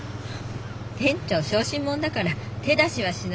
店長小心者だから手出しはしないよ。